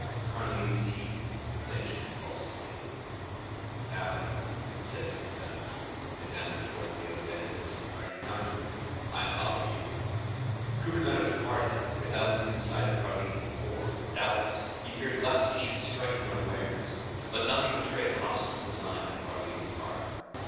Carlini's teeth clenched convulsively. "'Now, then,' said Cucumetto, advancing towards the other bandits, 'are you coming?' "'I follow you.' 20111m "Cucumetto departed, without losing sight of Carlini, for, doubtless, he feared lest he should strike him unawares; but nothing betrayed a hostile design on Carlini's part.